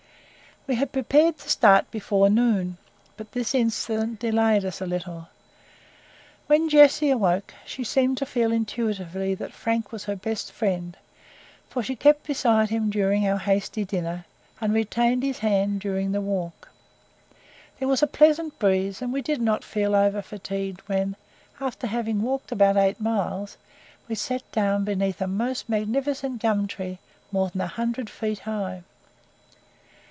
We had prepared to start before noon, but this incident delayed us a little. When Jessie awoke, she seemed to feel intuitively that Frank was her best friend, for she kept beside him during our hasty dinner, and retained his hand during the walk. There was a pleasant breeze, and we did not feel over fatigued when, after having walked about eight miles, we sat down beneath a most magnificent gum tree, more than a hundred feet high.